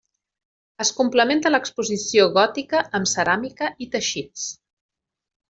Es complementa l'exposició gòtica amb ceràmica i teixits.